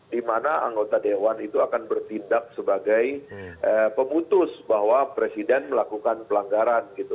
di mana anggota dewan itu akan bertindak sebagai pemutus bahwa presiden melakukan pelanggaran gitu